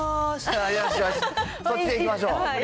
そっちでいきましょう。